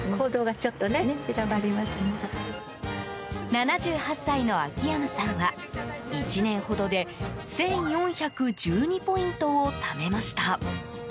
７８歳の秋山さんは１年ほどで１４１２ポイントをためました。